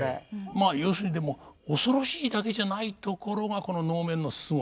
まあ要するにでも恐ろしいだけじゃないところがこの能面のすごさなんです。